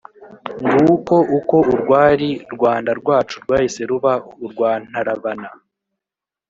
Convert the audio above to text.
nguko uko urwari rwanda-rwacu rwahise ruba urwa ntarabana